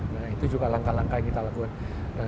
nah itu juga langkah langkah yang kita lakukan